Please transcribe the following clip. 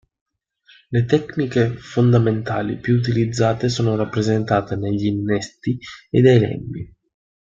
Le tecniche fondamentali più utilizzate sono rappresentate dagli innesti e dai lembi.